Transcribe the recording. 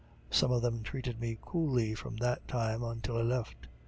Some of them treated me cooly from that time until I left.